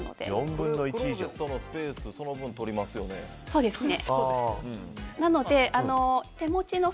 クローゼットのスペースその分取りますよね。